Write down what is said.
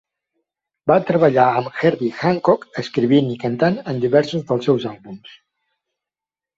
Va treballar amb Herbie Hancock escrivint i cantant en diversos dels seus àlbums.